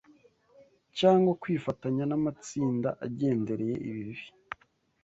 cyangwa kwifatanya n’amatsinda agendereye ibibi,